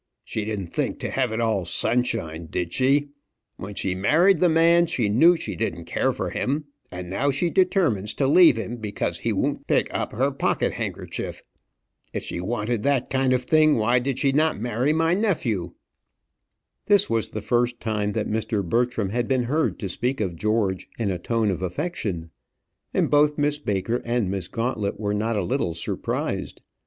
She didn't think to have it all sunshine, did she? When she married the man, she knew she didn't care for him; and now she determines to leave him because he won't pick up her pocket handkerchief! If she wanted that kind of thing, why did not she marry my nephew?" This was the first time that Mr. Bertram had been heard to speak of George in a tone of affection, and both Miss Baker and Miss Gauntlet were not a little surprised.